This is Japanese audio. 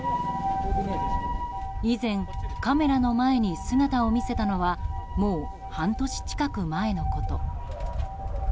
以前カメラの前に姿を見せたのはもう半年近く前のこと。